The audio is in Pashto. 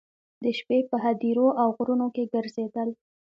د شپې په هدیرو او غرونو کې ګرځېدل.